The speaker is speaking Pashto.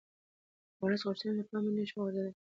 د ولس غوښتنې له پامه نه شي غورځېدلای